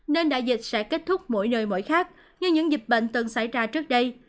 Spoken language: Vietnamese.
nên đại dịch sẽ kết thúc mỗi nơi mỗi khác như những dịch bệnh từng xảy ra trước đây